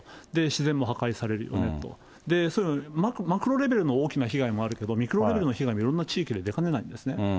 自然も破壊されるよねと、そういうマクロレベルの大きな被害もあるけど、ミクロレベルの被害もいろんな地域で出かねないんですね。